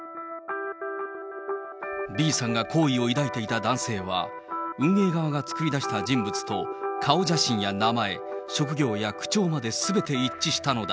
Ｂさんが好意を抱いていた男性は、運営側が作り出した人物と顔写真や名前、職業や口調まですべて一致したのだ。